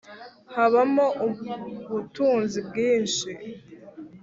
Habamo ubutunzi bwinshi